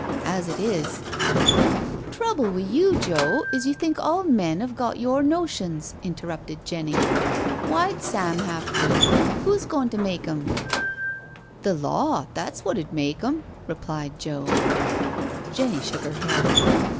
As it is '•" Trouble wi' you, Joe, is you think all men 'ave got your notions," interrupted Jenny. " Why'd Sam 'ave to? Who's goin' to make 'im?" " The law, that's wot'd mak' 'im," replied Joe. Jenny shook her head.